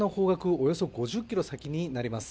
およそ５０ｋｍ先になります。